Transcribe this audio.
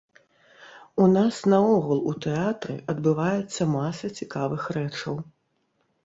У нас наогул у тэатры адбываецца маса цікавых рэчаў.